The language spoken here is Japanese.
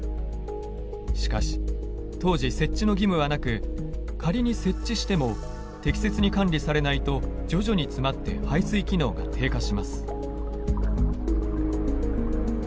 しかし当時設置の義務はなく仮に設置しても適切に管理されないと徐々に詰まって排水機能が低下します。